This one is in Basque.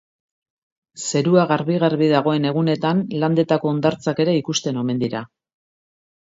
Zerua garbi-garbi dagoen egunetan Landetako hondartzak ere ikusten omen dira.